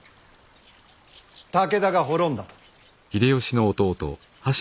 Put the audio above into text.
武田が滅んだと。